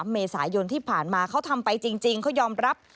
เมษายนที่ผ่านมาเขาทำไปจริงเขายอมรับ